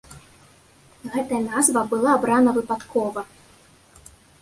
Гэтая назва была абрана выпадкова.